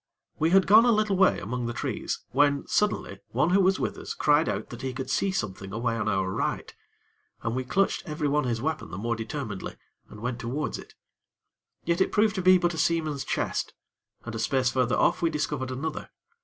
We had gone a little way among the trees, when, suddenly, one who was with us cried out that he could see something away on our right, and we clutched everyone his weapon the more determinedly, and went towards it. Yet it proved to be but a seaman's chest, and a space further off, we discovered another.